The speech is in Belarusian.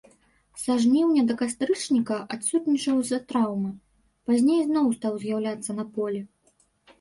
Са жніўня да кастрычніка адсутнічаў з-за траўмы, пазней зноў стаў з'яўляцца на полі.